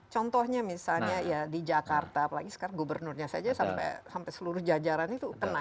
contohnya misalnya ya di jakarta apalagi sekarang gubernurnya saja sampai seluruh jajaran itu kena